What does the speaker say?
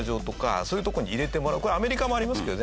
これアメリカもありますけどね。